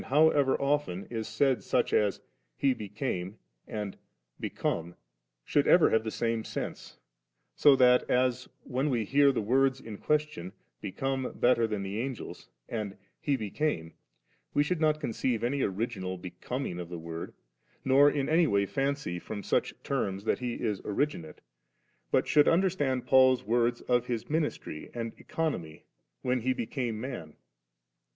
lviiL9» however often, is said, such a% * He became ' and * become,' should ever have the same sense : so that as, when we hear the words in question, 'become better than the Angels' and * He became,' we should not conceive any original becoming of the Word, nor in any way fancy from such terms that He is originate ; but should understand Paul's words of His ministry and Economy when He became man.